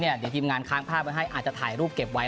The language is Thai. เดี๋ยวทีมงานค้างภาพไว้ให้อาจจะถ่ายรูปเก็บไว้